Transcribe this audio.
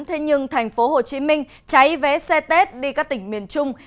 thế nhưng thành phố hồ chí minh cháy vé xe tết đi các tỉnh miền trung